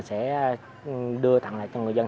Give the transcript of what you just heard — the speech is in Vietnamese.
sẽ đưa tặng lại cho người dân